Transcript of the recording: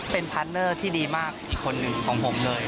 เป็นพาร์ทเนอร์ที่ดีมากอีกคนหนึ่งของผมเลย